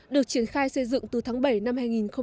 được triển khai xây dựng từ tháng bảy năm hai nghìn một mươi chín